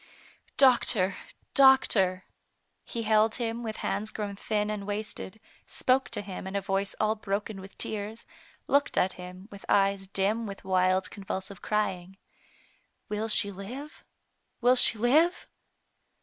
" Doctor ! doctor !*' He held him with hands grown thin and wasted, spoke to him in a voice all broken with tears, looked at him with eyes dim with wild, convulsive crying :" Will she live ? will she live